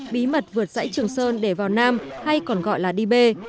bí mật vượt dãy trường sơn để vào nam hay còn gọi là đi bê